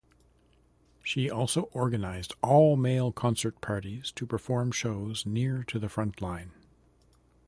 She also organized all-male concert parties to perform shows near to the front line.